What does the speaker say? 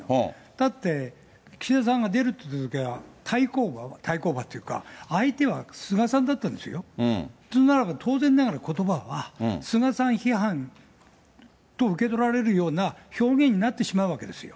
だって、岸田さんが出るっていったときは、対抗馬は、対抗馬っていうか、相手は菅さんだったんですよ。となれば、当然ながらことばは、菅さん批判と受け取られるような表現になってしまうわけですよ。